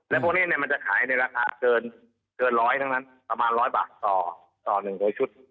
แล้วพวกนี้มันจะขายในราคาเกิน๑๐๐บาทประมาณ๑๐๐บาทต่อ๑หยุด